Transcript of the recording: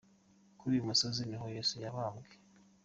Kuri yu musozi niho Yesu yabambwe.